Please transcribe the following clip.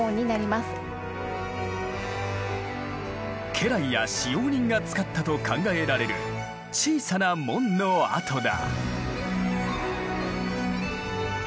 家来や使用人が使ったと考えられる小さな門の跡だ。